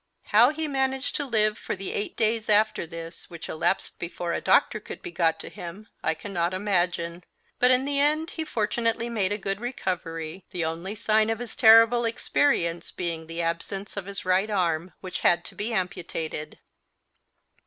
How he managed to live for the eight days after this which elapsed before a doctor could be got to him I cannot imagine; but in the end he fortunately made a good recovery, the only sign of his terrible experience being the absence of his right arm, which had to be amputated.